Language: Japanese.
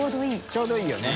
ちょうどいいよね。